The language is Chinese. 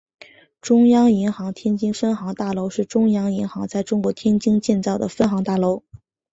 中央银行天津分行大楼是中央银行在中国天津建造的分行大楼。